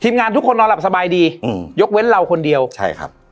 งานทุกคนนอนหลับสบายดีอืมยกเว้นเราคนเดียวใช่ครับ